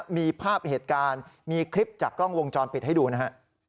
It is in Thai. มีภาพเหตุการณ์มีคลิปจากกล้องวงจรปิดให้ดูนะฮะ